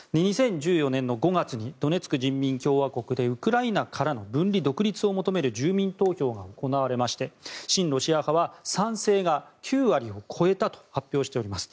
２０１４年の５月にドネツク人民共和国でウクライナからの分離・独立を求める住民投票が行われまして親ロシア派は賛成が９割を超えたと発表しております。